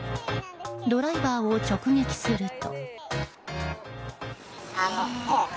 ドライバーを直撃すると。